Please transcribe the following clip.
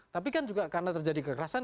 tapi kan juga karena terjadi kekerasan